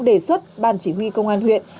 đề xuất ban chỉ huy công an huyện